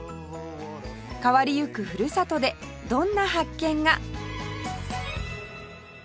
変わりゆくふるさとでどんな発見が？